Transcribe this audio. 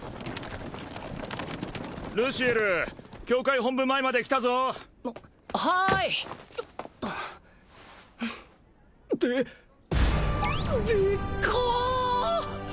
・ルシエル教会本部前まで来たぞはーいよっとってでっか！